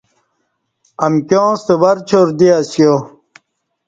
امکیاں ستہ ور چار دی اسیا